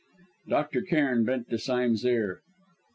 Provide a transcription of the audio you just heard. Dr. Cairn bent to Sime's ear.